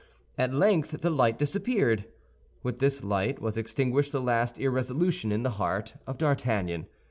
At length the light disappeared. With this light was extinguished the last irresolution in the heart of D'Artagnan.